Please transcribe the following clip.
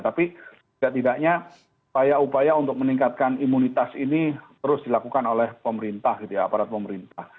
tapi tidak tidaknya upaya upaya untuk meningkatkan imunitas ini terus dilakukan oleh pemerintah gitu ya aparat pemerintah